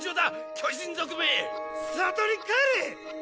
巨人族め里に帰れ！